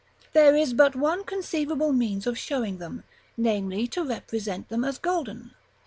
There is but one conceivable means of showing them, namely to represent them as golden.